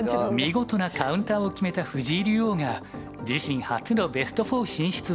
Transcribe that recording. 見事なカウンターを決めた藤井竜王が自身初のベスト４進出を決めました。